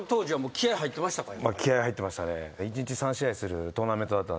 気合入ってましたね。